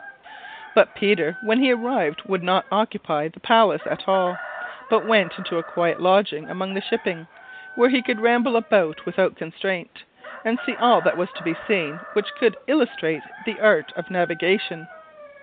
But Peter, when he arrived, would not occupy the palace at all, but went into a quiet lodging among the shipping, where he could ramble about without constraint, and see all that was to be seen which could illustrate the art of navigation.